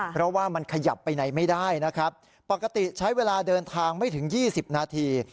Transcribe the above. เพราะว่ามันขยับไปไหนไม่ได้นะครับปกติใช้เวลาเดินทางไม่ถึง๒๐นาที